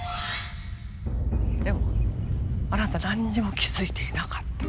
でもあなたなんにも気づいていなかった。